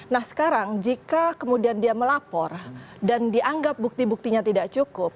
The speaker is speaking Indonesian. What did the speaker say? nah sekarang jika kemudian dia melapor dan dianggap bukti buktinya tidak cukup